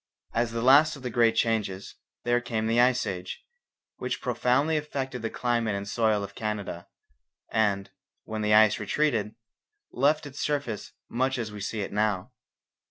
As the last of the great changes, there came the Ice Age, which profoundly affected the climate and soil of Canada, and, when the ice retreated, left its surface much as we see it now.